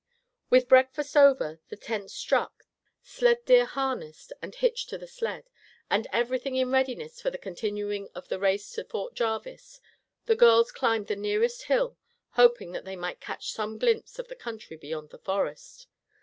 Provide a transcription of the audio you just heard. With breakfast over, the tents struck, sled deer harnessed and hitched to the sled, and everything in readiness for the continuing of the race to Fort Jarvis, the girls climbed the nearest hill, hoping that they might catch some glimpse of the country beyond the forest.